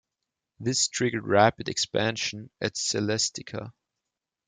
This triggered rapid expansion at Celestica.